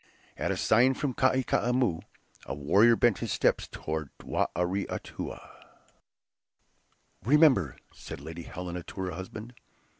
At a sign from Kai Koumou, a warrior bent his steps toward Ware Atoua. "Remember," said Lady Helena to her husband.